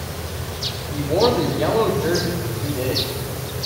He wore the yellow jersey for two days.